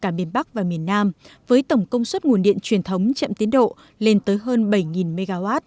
cả miền bắc và miền nam với tổng công suất nguồn điện truyền thống chậm tiến độ lên tới hơn bảy mw